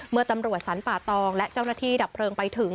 เมื่อตำรวจสรรป่าตองและเจ้าหน้าที่ดับเพลิงไปถึง